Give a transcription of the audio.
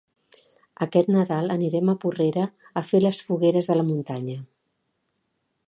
Aquest Nadal anirem a Porrera a fer les fogueres de la muntanya.